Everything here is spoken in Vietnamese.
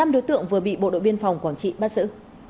năm đối tượng vừa bị bộ đội biên phòng quảng trị bắt giữ